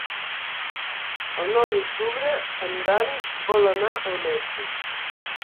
El nou d'octubre en Dan vol anar al metge.